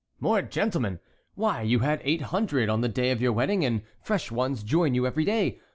"More gentlemen! why, you had eight hundred on the day of your wedding, and fresh ones join you every day.